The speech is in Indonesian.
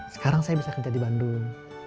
sekarang saya bisa kerja di bandung